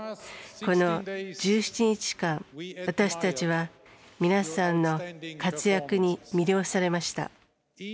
この１７日間、私たちは皆さんの活躍に魅了されました。